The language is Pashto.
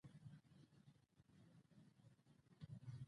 په زړه پاکۍ کښېنه، نیت سم کړه.